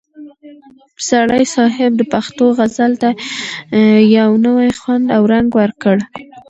پسرلي صاحب د پښتو غزل ته یو نوی خوند او رنګ ورکړ.